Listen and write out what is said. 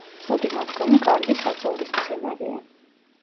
ზოგი მათგანი კარგი საძოვრის მცენარეა.